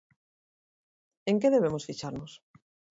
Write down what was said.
En que debemos fixarnos?